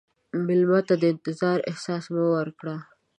مېلمه ته د انتظار احساس مه ورکړه.